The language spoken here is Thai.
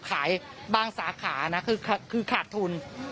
บางสาขานะคือขาดทุน